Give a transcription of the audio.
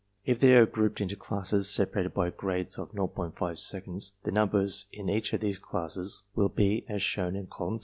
If they are grouped into classes separated by grades of 0'5 sec. the numbers in each of these classes will be as shown in Column III.